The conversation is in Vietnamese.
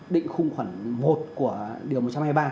định khung khoản một của điều một trăm hai mươi ba